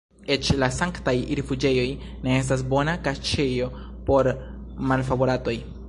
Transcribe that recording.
Eĉ la sanktaj rifuĝejoj ne estas bona kaŝejo por malfavoratoj!